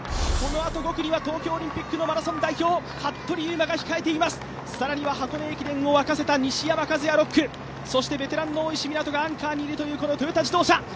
このあと５区には東京オリンピックのマラソン代表、服部勇馬が控えています、更には箱根駅伝を沸かせた西山和弥が６区、そしてベテランの大石港与がアンカーにいるというトヨタ自動車。